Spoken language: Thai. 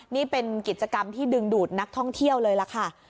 นี่เป็นกิจกรรมที่ดึงดูดนักท่องเที่ยวเลยล่ะค่ะ